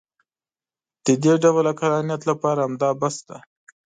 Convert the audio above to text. د دې ډول عقلانیت لپاره همدا بس دی.